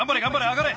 上がれ！